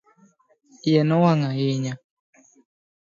iye nowang' ahinya